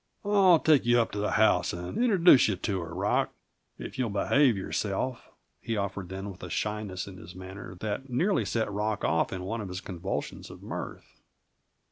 "I'll take you up to the house and introduce you to her, Rock, if you'll behave yourself," he offered then, with a shyness in his manner that nearly set Rock off in one of his convulsions of mirth.